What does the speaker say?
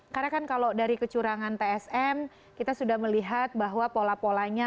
karena kan kalau dari kecurangan tsm kita sudah melihat bahwa pola polanya